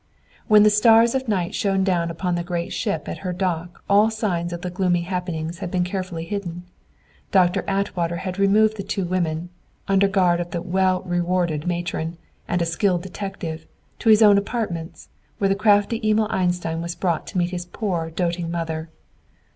When the stars of night shone down upon the great ship at her dock, all signs of the gloomy happening had been carefully hidden. Doctor Atwater had removed the two women, under guard of the well rewarded matron and a skilled detective, to his own apartments, where the crafty Emil Einstein was brought to meet his poor, doting mother.